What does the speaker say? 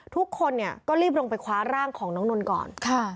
ทุกคนเนี่ยก็รีบลงไปคว้าร่างของน้องนนท์ก่อน